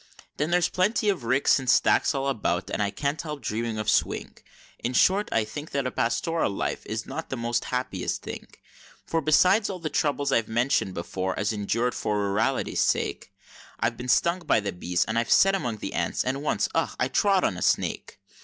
Then there's plenty of ricks and stacks all about, and I can't help dreaming of Swing In short, I think that a plastoral life is not the most happiest thing; For besides all the troubles I've mentioned before as endur'd for rurality's sake, I've been stung by the bees, and I've set among ants, and once ugh! I trod on a snake!